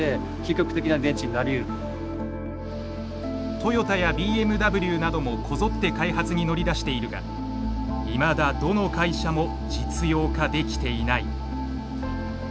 トヨタやＢＭＷなどもこぞって開発に乗り出しているがいまだどの会社も実用化できていない。